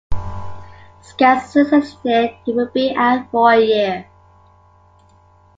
Scans suggested he would be out for a year.